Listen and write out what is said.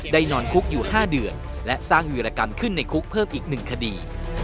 นอนคุกอยู่๕เดือนและสร้างวิรกรรมขึ้นในคุกเพิ่มอีก๑คดี